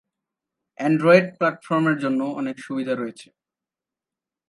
Android প্ল্যাটফর্মের জন্য অনেক সুবিধা রয়েছে